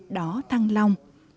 đó thăng lòng